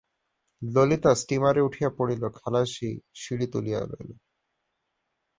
ললিতা স্টীমারে উঠিয়া পড়িল– খালাসি সিঁড়ি তুলিয়া লইল।